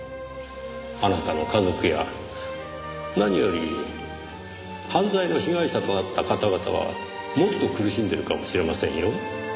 あなたの家族や何より犯罪の被害者となった方々はもっと苦しんでいるかもしれませんよ？